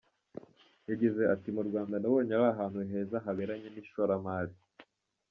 Yagize ati “Mu Rwanda nabonye ari ahantu heza haberanye n’ishoramari.